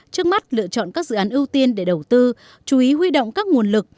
trước mắt lựa chọn các dự án ưu tiên để đầu tư chú ý huy động các nguồn lực